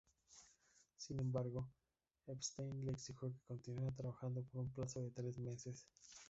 Sin embargo, Epstein le exigió que continuara trabajando por un plazo de tres meses.